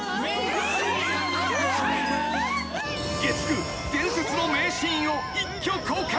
［月９伝説の名シーンを一挙公開］